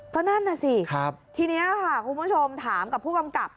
ก็นั่นน่ะสิทีนี้ค่ะคุณผู้ชมถามกับผู้กำกับ